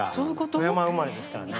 富山生まれですからね。